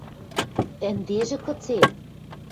— Ӹндежӹ кыце?